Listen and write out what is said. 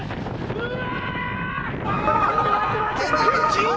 うわ！